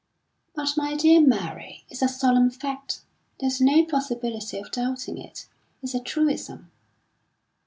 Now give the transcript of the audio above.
"But, my dear Mary, it's a solemn fact. There's no possibility of doubting it. It's a truism."